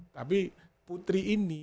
tapi putri ini